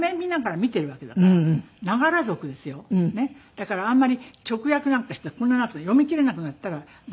だからあんまり直訳なんかしたらこんなになると読みきれなくなったら駄目。